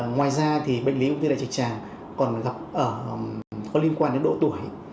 ngoài ra thì bệnh lý ung thư đại trực tràng còn gặp có liên quan đến độ tuổi